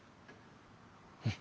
うん。